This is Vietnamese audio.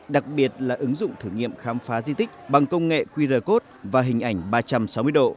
đặc biệt là ứng dụng thử nghiệm khám phá di tích bằng công nghệ qr code và hình ảnh ba trăm sáu mươi độ